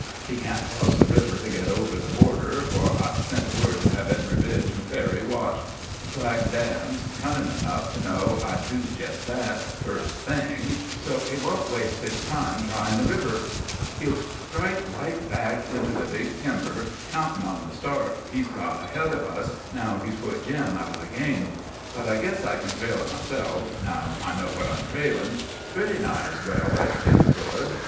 He can't cross the river to get over the Border, for I've sent word to hev every bridge an' ferry watched. Black Dan's cunnin' enough to know I'd do jest that, first thing, so he won't waste his time tryin' the river. He'll strike right back into the big timber, countin' on the start he's got of us, now he's put Jim out of the game. But I guess I kin trail him myself—now I know what I'm trailin'—pretty nigh as well as Jim could.